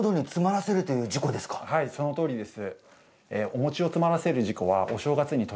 はいそのとおりです